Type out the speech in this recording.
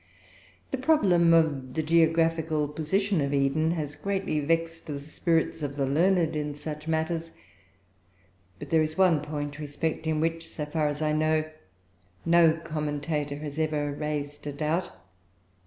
The problem of the geographical position of Eden has greatly vexed the spirits of the learned in such matters, but there is one point respecting which, so far as I know, no commentator has ever raised a doubt.